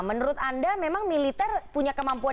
menurut anda memang militer punya kemampuan